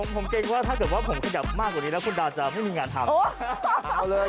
ผมเจ๋งว่าถ้าผมขยับมากกว่านี้แล้วคุณดาร์จะไม่มีงานกันด้วย